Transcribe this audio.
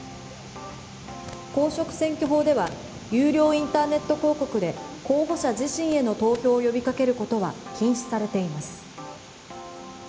公職選挙法では有料インターネット広告で候補者自身への投票を呼びかけることは禁止されています。